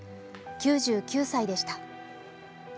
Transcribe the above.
９９歳でした。